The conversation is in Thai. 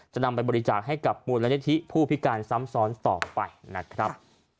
นำไปบริจาคให้กับมูลนิธิผู้พิการซ้ำซ้อนต่อไปนะครับ